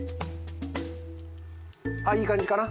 あいい感じかな？